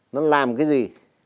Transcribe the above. nó làm cái gì